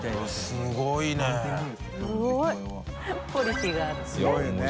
すごいよね。